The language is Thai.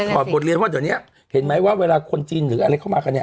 อดบทเรียนว่าเดี๋ยวนี้เห็นไหมว่าเวลาคนจีนหรืออะไรเข้ามากันเนี่ย